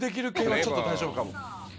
ちょっと大丈夫かも。